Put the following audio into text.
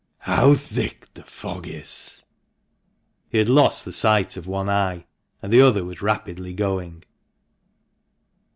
How thick the fog is!" He had lost the sight of one eye, and the other was rapidly going.